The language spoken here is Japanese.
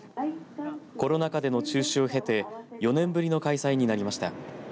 コロナ禍での中止を経て４年ぶりの開催になりました。